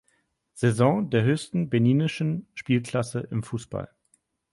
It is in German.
Saison der höchsten beninischen Spielklasse im Fußball.